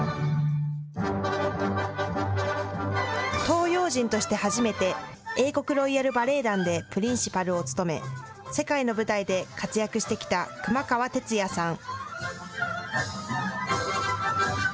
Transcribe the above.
東洋人として初めて英国ロイヤル・バレエ団でプリンシパルを務め世界の舞台で活躍してきた熊川哲也さん。